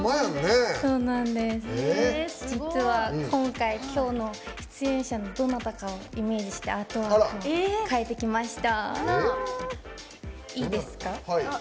実は今回、今日の出演者のどなたかをイメージしてアートワークを描いてきました。